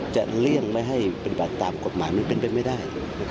จะเลี่ยงไม่ให้เป็นแบบตามกฎหมายมันเป็นเป็นไม่ได้